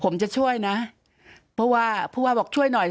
ผมจะช่วยนะเพราะว่าผู้ว่าบอกช่วยหน่อย